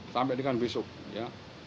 sampai dengan besok ya